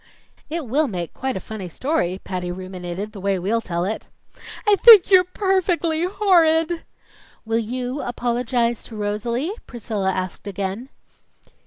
"It will make quite a funny story," Patty ruminated, "the way we'll tell it." "I think you're perfectly horrid!" "Will you apologize to Rosalie?" Priscilla asked again.